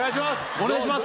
お願いします